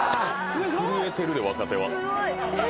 震えてるで若手は。